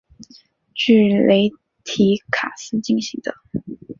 据雷提卡斯进行的。